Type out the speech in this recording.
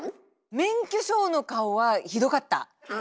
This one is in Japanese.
免許証の顔はひどかった！